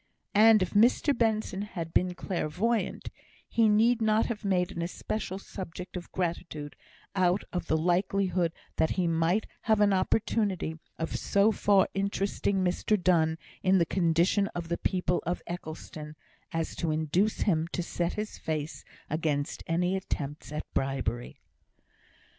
And if Mr Benson had been clairvoyant, he need not have made an especial subject of gratitude out of the likelihood that he might have an opportunity of so far interesting Mr Donne in the condition of the people of Eccleston as to induce him to set his face against any attempts at bribery.